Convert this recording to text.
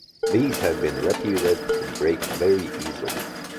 These have been reputed to break very easily.